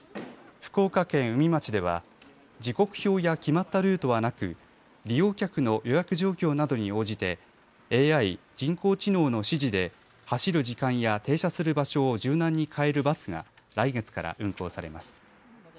福岡県宇美町では時刻表や決まったルートは利用客の予約状況などに応じてＡＩ＝人工知能の指示で走る時間や停車する場所を柔軟に変えるバスが来月から運行されます。